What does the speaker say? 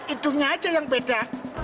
idungnya aja yang beda